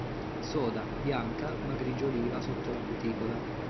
Soda, bianca, ma grigio-oliva sotto la cuticola.